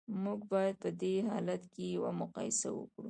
موږ باید په دې حالت کې یوه مقایسه وکړو